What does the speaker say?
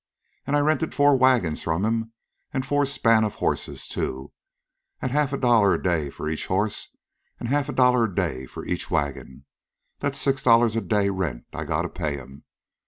An' I rented four wagons from 'm, an' four span of horses, too, at half a dollar a day for each horse, an' half a dollar a day for each wagon that's six dollars a day rent I gotta pay 'm.